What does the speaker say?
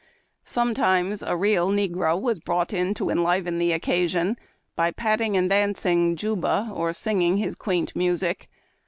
Sometimes a real negro was brought in to enliven the occasion by patting and dancing " Juba," or singing his quaint music.